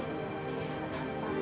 tidak ada yang mau ngomong